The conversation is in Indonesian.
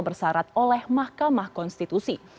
bersarat oleh mahkamah konstitusi